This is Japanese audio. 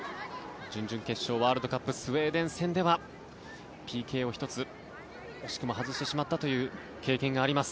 準々決勝、ワールドカップスウェーデン戦ではＰＫを惜しくも１つ外してしまったという経験があります。